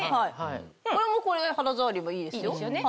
これもこれで肌触りもいいですよ。